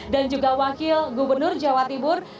dan juga wakil gubernur jawa tibur